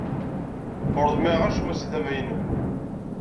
Ur ḍmiɛeɣ acemma seg tama-nnem.